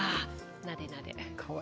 なでなで。